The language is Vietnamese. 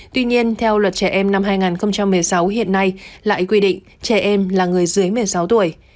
tuy nhiên theo luật trẻ em năm hai nghìn một mươi sáu hiện nay lại quy định trẻ em là người dưới một mươi sáu tuổi